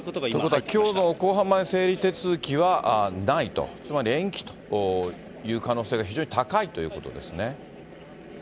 ということは、きょうの公判前整理手続きはないと、つまり延期という可能性が非常に高いということですね。